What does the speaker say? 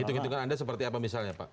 itu itu kan anda seperti apa misalnya pak